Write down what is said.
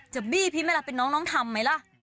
จะบี้พี่แม่ล่ะเป็นน้องทำไหมล่ะ